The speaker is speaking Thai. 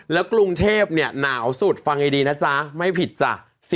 แล้วกรุงเทพเนี่ยหนาวสุดฟังให้ดีนะจ๊ะไม่ผิดจ้ะ